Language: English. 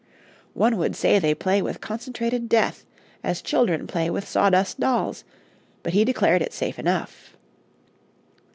One would say they play with concentrated death as children play with sawdust dolls, but he declared it safe enough.